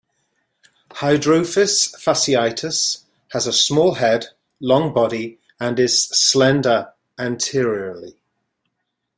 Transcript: Hydrophis fasciatus has a small head, long body and is slender anteriorly.